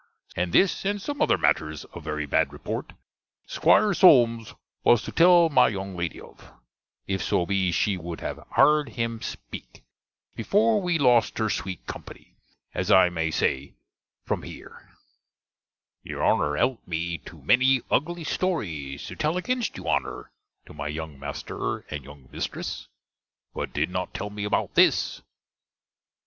And this, and some other matters, of verry bad reporte, 'Squier Solmes was to tell my young lady of, if so be she would have harde him speke, before we lost her sweet company, as I may say, from heere.* * See Vol.II. Letters XV. and XVI. Your Honner helped me to many ugly stories to tell against you Honner to my younge master, and younge mistriss; but did not tell me about this.